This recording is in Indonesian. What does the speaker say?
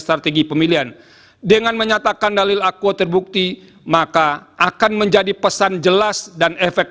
strategi pemilihan dengan menyatakan dalil akuo terbukti maka akan menjadi pesan jelas dan efek